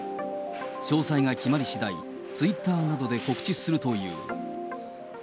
詳細が決まりしだい、ツイッターなどで告知するという。